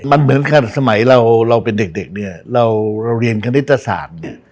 มันเหมือนขนาดสมัยเราเราเป็นเด็กเนี่ยเราเรียนคณิตศาสตร์เนี่ย